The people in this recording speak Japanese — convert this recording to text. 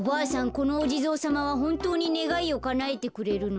このおじぞうさまはほんとうにねがいをかなえてくれるの？